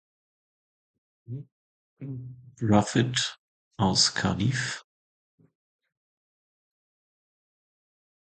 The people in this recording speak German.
Gruffydd aus Cardiff.